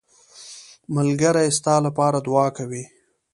ملګری ستا لپاره دعا کوي